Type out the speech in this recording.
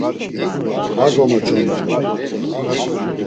Va gomoç̌ondrun.